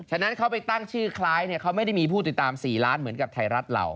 ฉะนั้นเขาไปตั้งชื่อคล้ายเนี่ยเขาไม่ได้มีผู้ติดตาม๔ล้านเหมือนกับไทยรัฐเรา